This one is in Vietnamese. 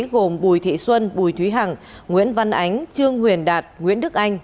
gồm bùi thị xuân bùi thúy hằng nguyễn văn ánh trương huyền đạt nguyễn đức anh